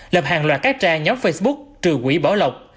lập hàng loạt các trang nhóm facebook trừ quỷ bỏ lọc